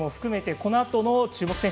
このあとの注目選手